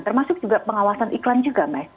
termasuk juga pengawasan iklan juga mas